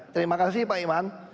terima kasih pak iman